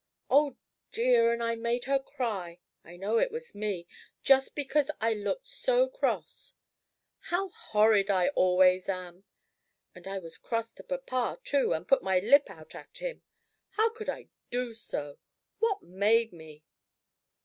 Oh dear, and I made her cry! I know it was me just because I looked so cross. How horrid I always am! And I was cross to papa, too, and put my lip out at him. How could I do so? What made me?